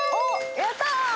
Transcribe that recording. やったー！